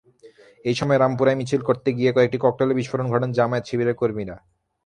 একই সময় রামপুরায় মিছিল করতে গিয়ে কয়েকটি ককটেলের বিস্ফোরণ ঘটান জামায়াত-শিবিরের কর্মীরা।